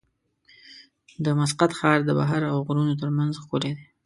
د مسقط ښار د بحر او غرونو ترمنځ ښکلی دی.